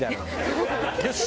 よし！